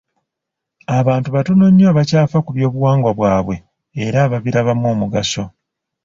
Abantu batono nnyo abakyafa ku by'obuwangwa bwabwe era ababirabamu omugaso.